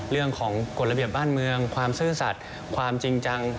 กฎระเบียบบ้านเมืองความซื่อสัตว์ความจริงจัง